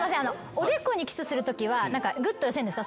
おでこにキスするときはぐっと寄せるんですか？